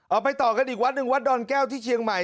เอาไปต่อกันอีกวัดหนึ่งวัดดอนแก้วที่เชียงใหม่